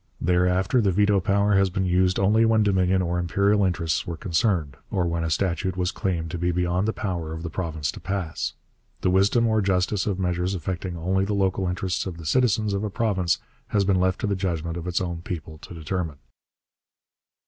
Thereafter the veto power has been used only when Dominion or Imperial interests were concerned, or when a statute was claimed to be beyond the power of the province to pass. The wisdom or justice of measures affecting only the local interests of the citizens of a province has been left to the judgment of its own people to determine.